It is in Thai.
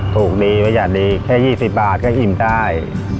ถูกดีประหยัดดีแค่๒๐บาทก็อิ่มได้